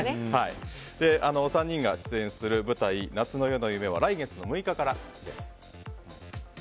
３人が出演する舞台「夏の夜の夢」は来月の６日からです。